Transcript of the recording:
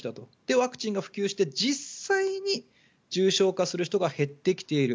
ワクチンが普及して実際に重症化する人が減ってきている。